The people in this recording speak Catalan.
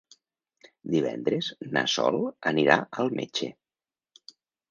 Divendres na Sol anirà al metge.